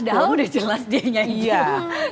udah jelas dia nyanyi